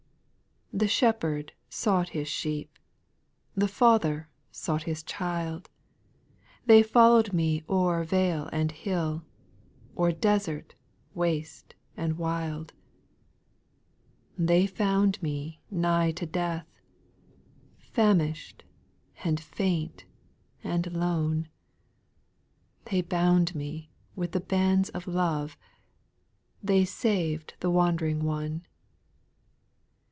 8. The Shepherd sought His sheep, The Father sought His child ;— They followed me o'er vale and hill, O'er desert, waste, and wild. 4. They found me nigh to death, Famish'd, and faint, and lone ; They bound me with the bands of love, They sav'd the wand'ring one.